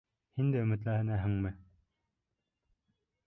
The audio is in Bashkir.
Һин дә өмөтләнәһеңме?